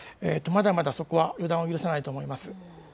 まだまだ、そこは予断を許さないと思います。